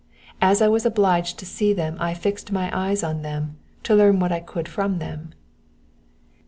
As I was obliged to see them I fixed my eyes on them, to learn what I could from them.